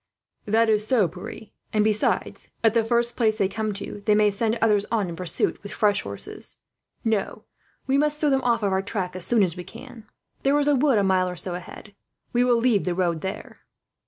"That is so, Pierre; and besides, at the first place they come to, they may send others on in pursuit with fresh horses. No, we must throw them off our track as soon as we can. There is a wood, a mile or so ahead; we will leave the road there."